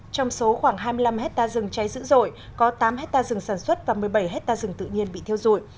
trong số khoảng hai mươi năm hectare rừng cháy dữ dội có tám hectare rừng sản xuất và một mươi bảy hectare rừng tự nhiên bị theo dụi